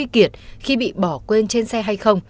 khi bị bỏ quên trên xe hay không